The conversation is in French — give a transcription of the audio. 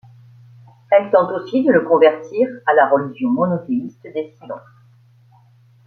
Elle tente aussi de le convertir à la religion monothéiste des cylons.